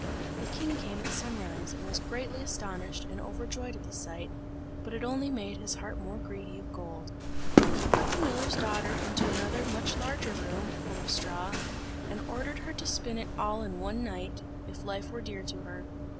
The king came at sunrise, and was greatly astonished and overjoyed at the sight; but it only made his heart the more greedy of gold. He put the miller's daughter into another much larger room, full of straw, and ordered her to spin it all in one night, if life were dear to her.